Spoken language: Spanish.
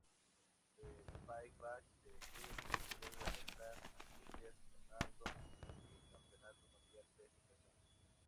En Payback, Del Rio consiguió derrotar a Ziggler ganando el Campeonato Mundial Peso Pesado.